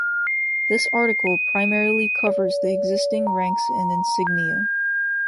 This article primarily covers the existing ranks and insignia.